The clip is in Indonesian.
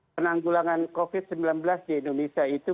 penanggulangan covid sembilan belas di indonesia itu